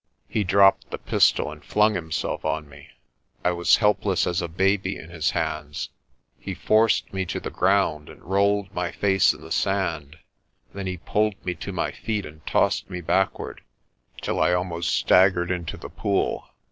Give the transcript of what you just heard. He dropped the pistol and flung himself on me. I was helpless as a baby in his hands. He forced me to the ground and rolled my face in the sand; then he pulled me to my feet and tossed me backward, till I almost staggered into the pool.